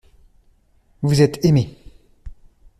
Vous êtes aimé.